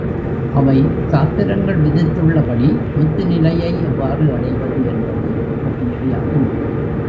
அவை சாத்திரங்கள் விதித்துள்ளபடி முத்தி நிலையை எவ்வாறு அடைவது என்பது பற்றியவை ஆகும்.